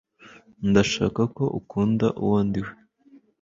ndashaka ko unkunda uwo ndiwe